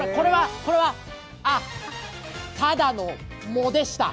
これはただの藻でした。